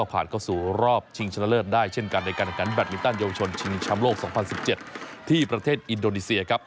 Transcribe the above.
ผ่านเข้าสู่รอบชิงชนะเลิศได้เช่นกันในการขันแบตมินตันเยาวชนชิงแชมป์โลก๒๐๑๗ที่ประเทศอินโดนีเซียครับ